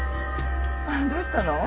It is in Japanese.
あっどうしたの？